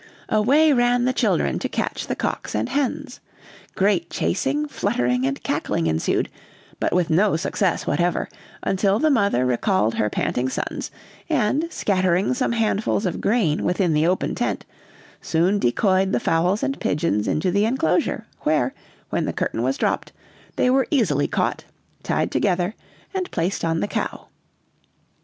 Away ran the children to catch the cocks and hens. Great chasing, fluttering, and cackling ensued; but with no success whatever, until the mother recalled her panting sons; and scattering some handfuls of grain within the open tent, soon decoyed the fowls and pigeons into the enclosure; where, when the curtain was dropped, they were easily caught, tied together, and placed on the cow.